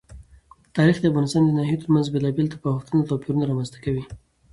تاریخ د افغانستان د ناحیو ترمنځ بېلابېل تفاوتونه او توپیرونه رامنځ ته کوي.